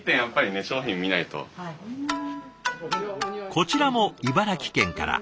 こちらも茨城県から。